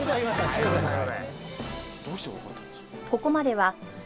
ありがとうございます。